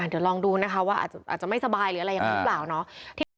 เดี๋ยวลองดูนะคะว่าอาจจะไม่สบายหรืออะไรยังไงหรือเปล่าเนาะ